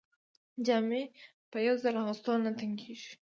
جامې په یو ځل اغوستلو نه تنګیږي.